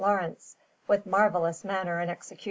Laurence, with marvellous manner and execution.